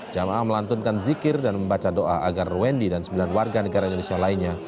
jamaah melantunkan zikir dan membaca doa agar wendy dan sembilan warga negara indonesia lainnya